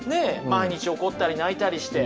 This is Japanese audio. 毎日怒ったり泣いたりして。